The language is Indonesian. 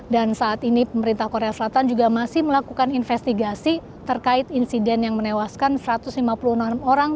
dan saat ini pemerintah korea selatan juga masih melakukan investigasi terkait insiden yang menewaskan satu ratus lima puluh enam orang